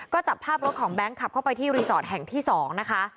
ก็จับภาพรถของแบงค์ขับเข้าไปที่รีสอร์ทแห่งที่๒นะคะ